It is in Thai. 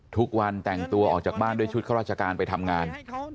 ทุกวันแต่งตัวออกจากบ้านด้วยชุดข้าราชการไปทำงาน